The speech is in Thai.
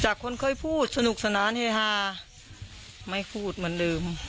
คนเคยพูดสนุกสนานเฮฮาไม่พูดเหมือนเดิม